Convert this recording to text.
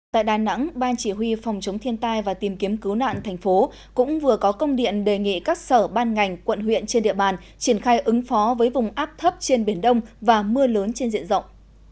tại đà nẵng ban chỉ huy phòng chống thiên tai và tìm kiếm cứu nạn thành phố cũng vừa có công điện đề nghị các sở ban ngành quận huyện trên địa bàn triển khai ứng phó với vùng áp thấp trên biển đông và mưa lớn trên diện rộng